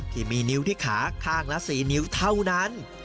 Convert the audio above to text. ที่มีนิ้วที่ขาข้างละ๔นิ้วเท่านั้น